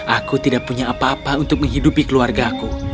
aku tidak punya apa apa untuk menghidupi keluargaku